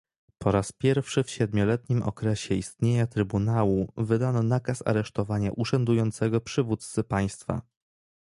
Po raz pierwszy w siedmioletnim okresie istnienia Trybunału wydano nakaz aresztowania urzędującego przywódcy państwa